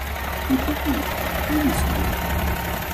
Митрофанушка, подойди сюда.